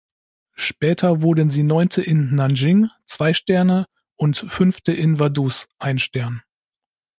Später wurden sie Neunte in Nanjing (zwei Sterne) und Fünfte in Vaduz (ein Stern).